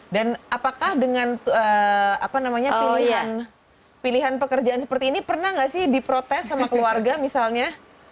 dan apakah dengan pilihan pekerjaan seperti ini pernah nggak sih diprotes sama keluarga misalnya